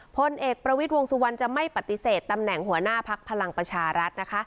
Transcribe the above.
พลเอกประวิทย์วงสุวรรณจะไม่ปฏิเสธตำแหน่งหัวหน้าพักพลังประชารัฐนะคะ